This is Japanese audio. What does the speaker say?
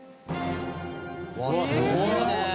わあっすごいね！